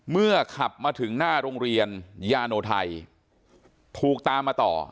ขับมาถึงหน้าโรงเรียนยาโนไทยถูกตามมาต่อ